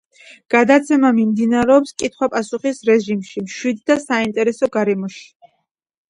გადაცემა მიმდინარეობს კითხვა-პასუხის რეჟიმში, მშვიდ და საინტერესო გარემოში.